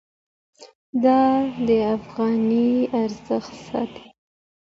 دا د افغانۍ ارزښت ساتي.